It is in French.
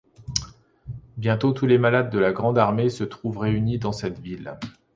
Bientôt tous les malades de la Grande Armée se trouvent réunis dans cette ville.